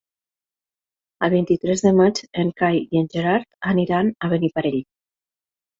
El vint-i-tres de maig en Cai i en Gerard aniran a Beniparrell.